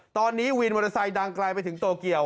ตอนนี้วินมอเตอร์ไซค์ดังไกลไปถึงโตเกียว